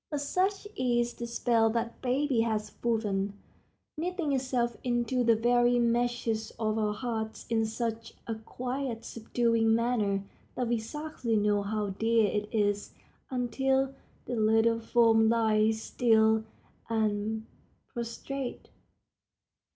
But such is the spell that baby has woven, knitting itself into the very meshes of our hearts in such a quiet, subduing manner that we scarcely know how dear it is until the little form lies still and prostrate.